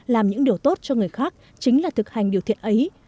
làm những điều tốt cho người khác chính là thực hành điều thiện ấy